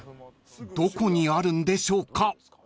［どこにあるんでしょうか］